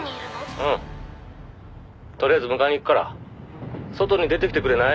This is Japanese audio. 「うんとりあえず迎えに行くから外に出てきてくれない？」